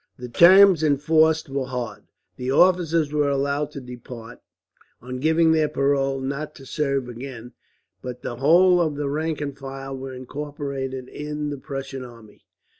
The terms enforced were hard. The officers were allowed to depart, on giving their parole not to serve again, but the whole of the rank and file were incorporated in the Prussian army.